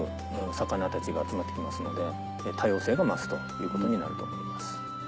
魚たちが集まって来ますので多様性が増すということになると思います。